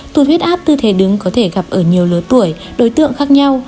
tụt huyết áp tư thế đứng có thể gặp ở nhiều lứa tuổi đối tượng khác nhau